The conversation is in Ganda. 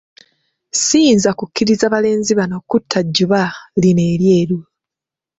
Siyinza ku kkiriza balenzi bano kutta Jjuba lino eryeru.